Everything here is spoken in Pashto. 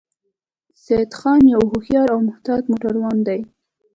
سیدخان یو هوښیار او محتاط موټروان دی